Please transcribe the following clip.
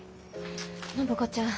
暢子ちゃん